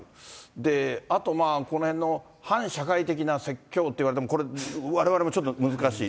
で、あと、このへんの反社会的な説教って言っても、これ、われわれもちょっと難しい。